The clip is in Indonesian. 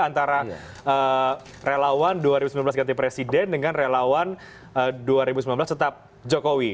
antara relawan dua ribu sembilan belas ganti presiden dengan relawan dua ribu sembilan belas tetap jokowi